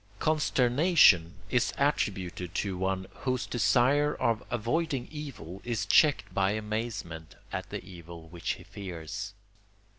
Consternation is attributed to one, whose desire of avoiding evil is checked by amazement at the evil which he fears.